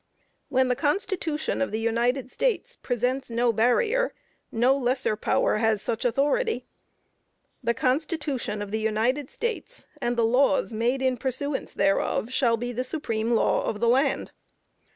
When the Constitution of the United States presents no barrier, no lesser power has such authority. "The Constitution of the United States, and the laws made in pursuance thereof, shall be the supreme law of the land."